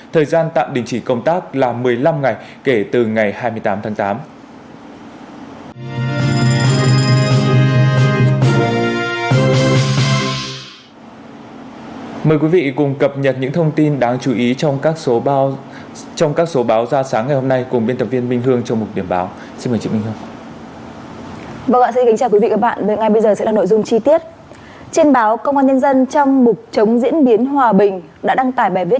thời gian tạm đình chỉ công tác là một mươi năm ngày kể từ ngày hai mươi tám tháng tám